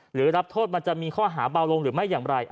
หรือรับโทษมันจะมีข้อหาเบาลงหรือไม่อย่างไร